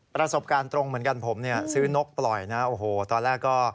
ประสบการณ์ตรงเหมือนกันผมเนี่ยซื้อนกปล่อยนะโอ้โหตอนแรกก็